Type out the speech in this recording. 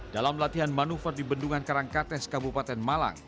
dalam latihan manuver di bendungan karangkates kabupaten malang